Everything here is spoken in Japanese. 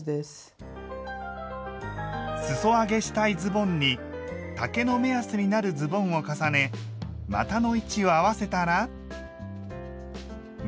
すそ上げしたいズボンに丈の目安になるズボンを重ね股の位置を合わせたら。